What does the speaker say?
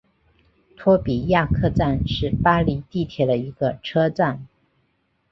托比亚克站是巴黎地铁的一个车站。